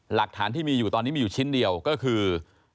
หลักฐานที่มีอยู่ตอนนี้มีอยู่ชิ้นเดียวก็คือ